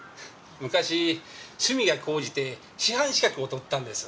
昔趣味が高じて師範資格を取ったんです。